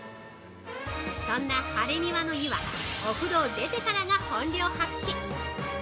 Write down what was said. そんなハレニワの湯はお風呂を出てからが本領発揮！